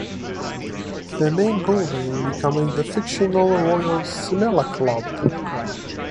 The main building becoming the fictional Royal Simla Club.